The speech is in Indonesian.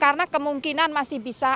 karena kemungkinan masih bisa